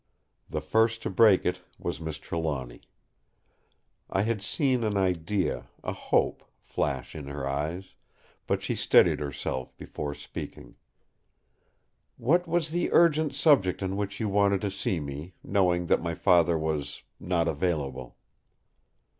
The first to break it was Miss Trelawny. I had seen an idea—a hope—flash in her eyes; but she steadied herself before speaking: "What was the urgent subject on which you wanted to see me, knowing that my Father was—not available?"